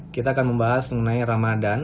kita akan membahas mengenai ramadan